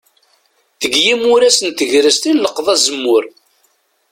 Deg yimuras n tegrest i nleqqeḍ azemmur.